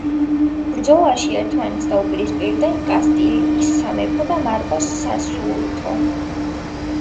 ბრძოლაში ერთმანეთს დაუპირისპირდნენ კასტილიის სამეფო და მაროკოს სასულთნო.